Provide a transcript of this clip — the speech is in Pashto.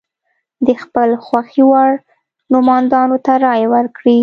د خپل خوښې وړ نوماندانو ته رایه ورکړي.